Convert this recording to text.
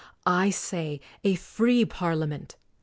I say, a free Parliament.